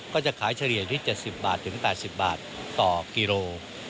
ก็จะขายเฉลี่ยอยู่ที่๗๐บาทถึง๘๐บาทต่อกิโล